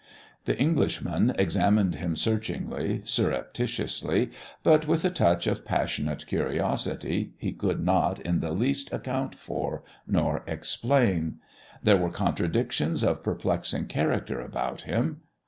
The Englishman examined him searchingly, surreptitiously, but with a touch of passionate curiosity he could not in the least account for nor explain. There were contradictions of perplexing character about him.